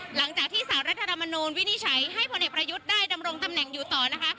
หลังจากที่สารรัฐธรรมนูลวินิจฉัยให้พลเอกประยุทธ์ได้ดำรงตำแหน่งอยู่ต่อนะคะ